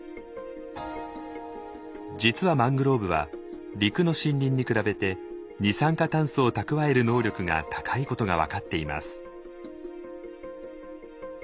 実はマングローブは陸の森林に比べて二酸化炭素を蓄える能力が高いことが分かっています。